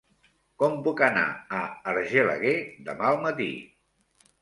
Com puc anar a Argelaguer demà al matí?